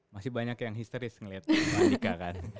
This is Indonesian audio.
masih banyak yang histeris ngelihat maldika kan